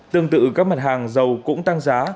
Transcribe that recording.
tương tự các mặt hàng dầu cũng tăng giá